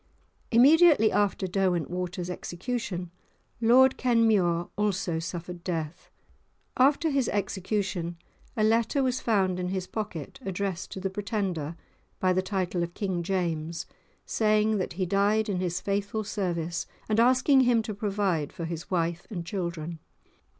Immediately after Derwentwater's execution, Lord Kenmure also suffered death. After his execution, a letter was found in his pocket addressed to the Pretender, by the title of King James, saying that he died in his faithful service, and asking him to provide for his wife and children.